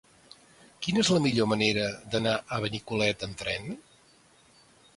Quina és la millor manera d'anar a Benicolet amb tren?